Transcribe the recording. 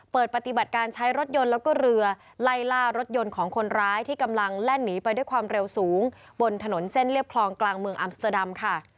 ปฏิบัติการใช้รถยนต์แล้วก็เรือไล่ล่ารถยนต์ของคนร้ายที่กำลังแล่นหนีไปด้วยความเร็วสูงบนถนนเส้นเรียบคลองกลางเมืองอัมสเตอร์ดัมค่ะ